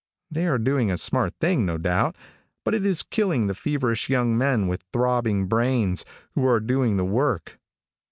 They are doing a smart thing, no doubt, but it is killing the feverish young men with throbbing brains, who are doing the work.